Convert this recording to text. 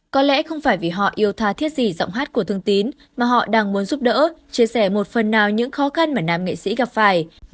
có lẽ không phải vì họ yêu tha thiết gì giọng hát của thương tín mà họ đang muốn giúp đỡ chia sẻ một phần nào những khó khăn mà nam nghệ sĩ gặp phải